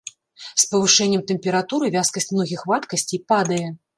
З павышэннем тэмпературы вязкасць многіх вадкасцей падае.